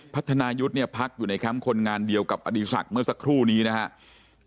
พัฒนายุทธ์เนี่ยพักอยู่ในแคมป์คนงานเดียวกับอดีศักดิ์เมื่อสักครู่นี้นะครับ